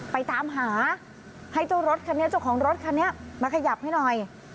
ไปตามหาให้เจ้ารถคันนี้เจ้าของรถคันนี้มาขยับให้หน่อย